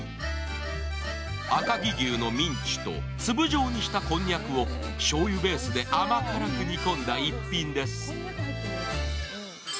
赤城牛のミンチと粒状にしたこんにゃくをしょうゆベースで甘辛く煮込んだ逸品です。